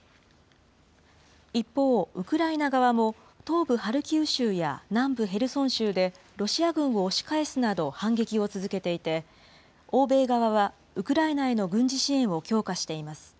一方、ウクライナ側も、東部ハルキウ州や南部ヘルソン州で、ロシア軍を押し返すなど、反撃を続けていて、欧米側はウクライナへの軍事支援を強化しています。